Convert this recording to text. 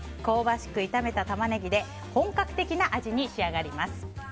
香ばしく炒めたタマネギで本格的な味に仕上がります。